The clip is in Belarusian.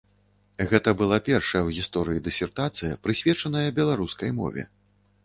Гэта была першая ў гісторыі дысертацыя, прысвечаная беларускай мове.